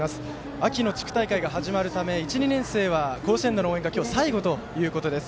秋の地区大会が始まるため１２年生は甲子園での応援が今日最後ということです。